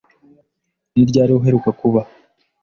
Ni ryari uheruka kuba?